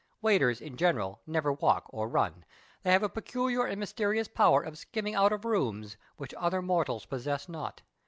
Waiters, in general, never walk or run ; they have a peculiar and mysterious power of skimming out of rooms which other mortals possess not.